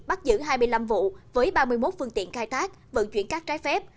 bắt giữ hai mươi năm vụ với ba mươi một phương tiện khai thác vận chuyển các trái phép